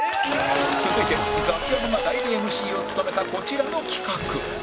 続いてザキヤマが代理 ＭＣ を務めたこちらの企画